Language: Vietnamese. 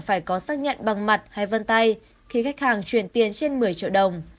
phải có xác nhận bằng mặt hay vân tay khi khách hàng chuyển tiền trên một mươi triệu đồng